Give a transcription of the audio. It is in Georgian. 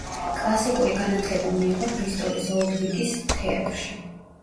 კლასიკური განათლება მიიღო ბრისტოლის ოლდ ვიკის თეატრში.